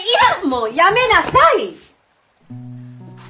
もうやめなさい！